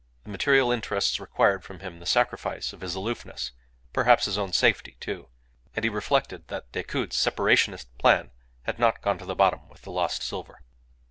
The material interests required from him the sacrifice of his aloofness perhaps his own safety too. And he reflected that Decoud's separationist plan had not gone to the bottom with the lost silver.